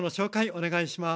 お願いします。